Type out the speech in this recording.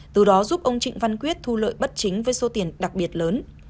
từ đó giúp ông trịnh văn quyết thu lợi bất chính với số tiền đặc biệt lớn